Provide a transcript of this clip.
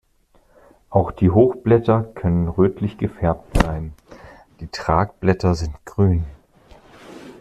Auch die Hochblätter können rötlich gefärbt sein, die Tragblätter sind grün.